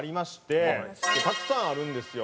たくさんあるんですよ。